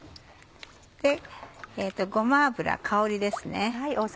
ごま油香りですね。